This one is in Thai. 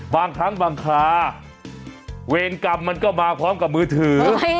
บางครั้งบางคราเวรกรรมมันก็มาพร้อมกับมือถือ